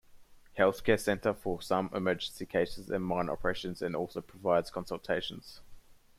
Healthcare center for some emergency cases and minor operations and also provides consultations.